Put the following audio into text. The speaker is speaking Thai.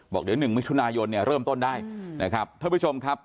บอกเดี๋ยว๑มิถุนายนเนี่ยเริ่มต้นได้นะครับท่านผู้ชมครับ